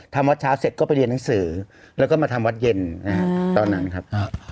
ทำวัดเช้าเสร็จก็ไปเรียนหนังสือแล้วก็มาทำวัดเย็นตอนนั้นครับ